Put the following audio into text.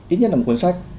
ít nhất là một cuốn sách